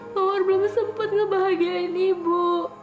tower belum sempat ngebahagiain ibu